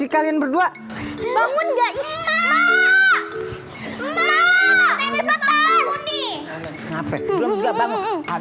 kenapa belum juga bangun